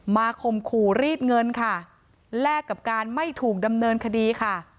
ข่มขู่รีดเงินค่ะแลกกับการไม่ถูกดำเนินคดีค่ะ